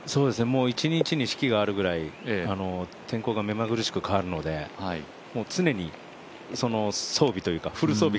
１日に四季があるぐらい天候がめまぐるしく変わるので常にその装備というかフル装備